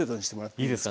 いいですか？